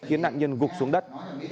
khiến nạn nhân gục xuống đất